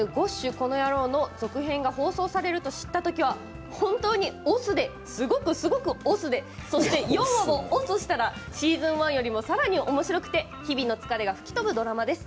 このヤロウ」の続編が放送されると知った時は本当に押忍ですごくすごく押忍でそして４話を押忍したらシーズン１よりもさらにおもしろくて日々の疲れが吹き飛ぶドラマです。